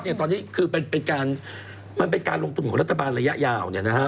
นั่นแหละเภอเขาบอกอุโมงรอดมันเป็นการลงทุนของรัฐบาลระยะยาว